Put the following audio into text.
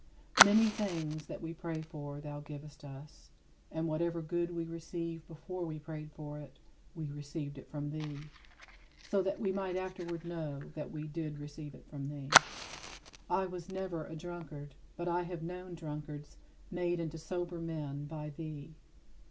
Many things that we pray for thou givest us, and whatever good we receive before we prayed for it, we receive it from thee, so that we might afterward know that we did receive it from thee. I never was a drunkard, but I have known drunkards made into sober men by thee.